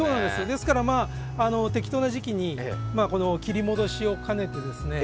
ですからまあ適当な時期に切り戻しを兼ねてですね